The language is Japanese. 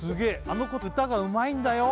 あの子歌がうまいんだよ・